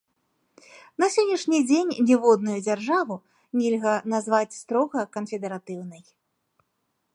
На сённяшні дзень ніводную дзяржаву нельга назваць строга канфедэратыўнай.